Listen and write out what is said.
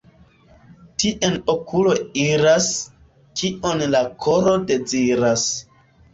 Tien okuloj iras, kion la koro deziras.